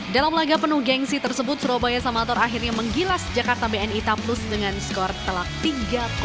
dalam laga penuh gengsi tersebut surabaya samator akhirnya menggilas jakarta bni taplus dengan skor telak tiga